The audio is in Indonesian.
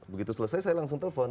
begitu selesai saya langsung telpon